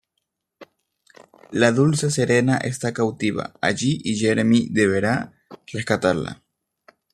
La dulce Serena está cautiva allí y Jeremy deberá rescatarla.